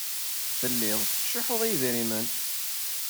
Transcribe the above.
Telliḍ tettcuḥḥuḍ i yedrimen.